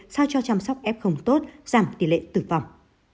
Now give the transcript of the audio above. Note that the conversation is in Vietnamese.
sao cho chăm sóc f tốt giảm tỷ lệ tử vong